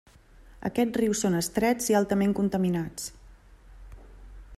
Aquests rius són estrets i altament contaminats.